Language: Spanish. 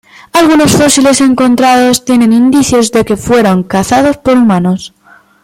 Algunos fósiles encontrados tienen indicios de que fueron cazados por humanos.